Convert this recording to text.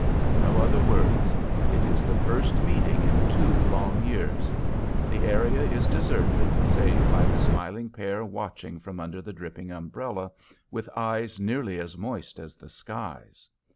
No other words. It is the first meeting in two long years. The area is deserted save by the smiling pair watching from under the dripping umbrella with eyes nearly as moist as the skies.